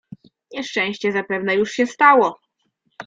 "Nieszczęście zapewne już się stało."